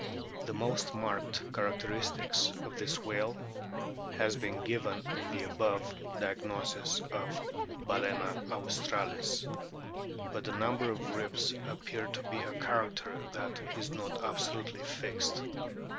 The most marked characteristics of this whale have been given in the above diagnosis of Balccna australis. But the number of the ribs appears to be a character that is not absolutely fixed.